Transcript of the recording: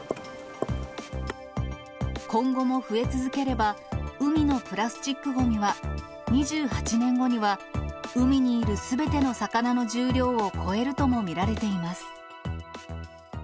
今後も増え続ければ、海のプラスチックごみは、２８年後には海にいる、すべての魚の重量を超えるとも見られています。